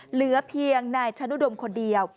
เหลือเพียงนายชนุดมคนเดียว